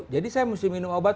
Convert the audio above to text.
jadi saya mesti minum obat